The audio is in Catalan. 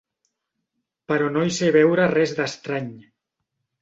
Però no hi sé veure res d'estrany.